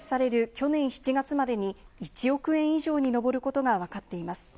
去年７月までに１億円以上に上ることがわかっています。